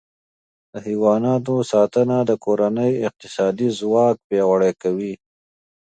د حیواناتو ساتنه د کورنۍ اقتصادي ځواک پیاوړی کوي.